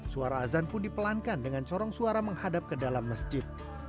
suara azan pun dipelankan dengan corong suara menghadap ke dalam masjid